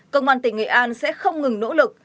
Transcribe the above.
công an tỉnh nghệ an sẽ không ngừng nỗ lực